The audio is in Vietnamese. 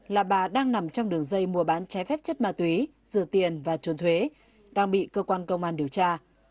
là bà đang nằm trong đường dây mua bán trái phép chất ma túy rửa tiền và trốn thuế đang bị cơ quan công an điều tra